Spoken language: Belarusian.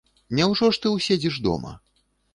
Няўжо ж ты ўседзіш дома?